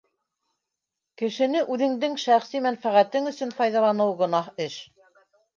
Кешене үҙеңдең шәхси мәнфәғәтең өсөн файҙаланыу гонаһ эш.